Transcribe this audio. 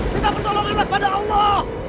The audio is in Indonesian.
minta pertolonganlah kepada allah